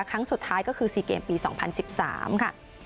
ครั้งสุดท้ายก็คือ๔เกมปี๒๐๑๓ค่ะ